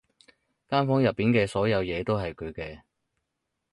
間房入面嘅所有嘢都係佢嘅